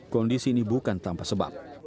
kondisi ini bukan tanpa sebab